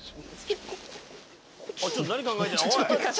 ちょっと何考えてんだおい！